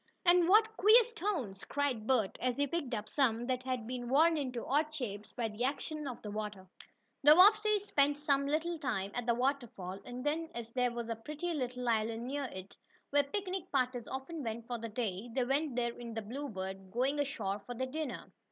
"And what queer stones!" cried Bert, as he picked up some that had been worn into odd shapes by the action of the water. The Bobbseys spent some little time at the waterfall, and then, as there was a pretty little island near it, where picnic parties often went for the day, they went there in the Bluebird, going ashore for their dinner.